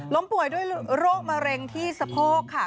ป่วยด้วยโรคมะเร็งที่สะโพกค่ะ